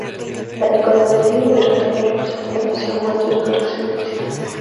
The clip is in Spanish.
La iconografía del retablo represente la pasión, muerte y resurrección de Cristo.